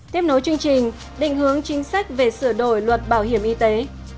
tiếp nối chương trình định hướng chính sách về sửa đổi luật bảo hiểm y tế